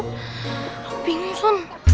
aku bingung sun